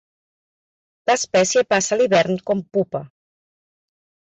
L'espècie passa l'hivern com pupa.